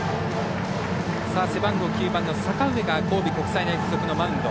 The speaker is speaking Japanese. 背番号９番、阪上が神戸国際大付属のマウンド。